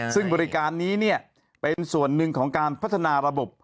ซึ่งบริการนี้เป็นส่วนหนึ่งของการพัฒนาระบบ